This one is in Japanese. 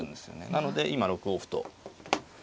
なので今６五歩と。